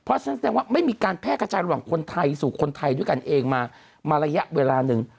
เพราะฉะนั้นแสดงว่าไม่มีการแพร่กระจายระหว่างคนไทยสู่คนไทยด้วยกันเองมามาระยะเวลาหนึ่ง